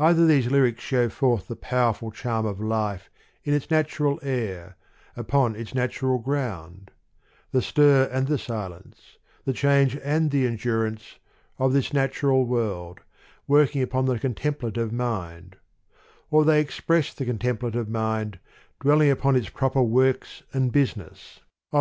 Either these lyrics show forth the powerful charm of life in its natural air, upon its natural ground ; the stir and the silence, the change and the endurance, of this natural world, working upon the contemplative mind : or, they express the contemplative mind, dwell ing upon its proper works and business, of THE POEMS OF MR. BRIDGES.